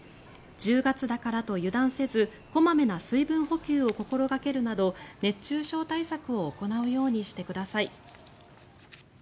１０月だからと油断せず小まめな水分補給を心掛けるなど熱中症対策を行うようにしてください。